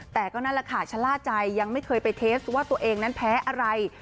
แต่ก็นั่นแหละค่ะชะล่าใจยังไม่เคยไปเทสว่าตัวเองนั้นแพ้อะไร